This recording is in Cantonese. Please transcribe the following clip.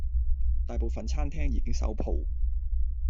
大部份餐廳已經收舖